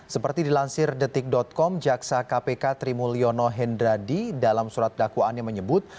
seperti dilansir detik com jaksa kpk trimulyono hendradi dalam surat dakwaannya menyebut